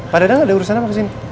pak dadang ada urusan apa kesini